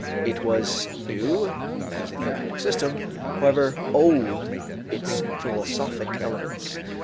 It was new as a therapeutic system, however old its philosophic elements.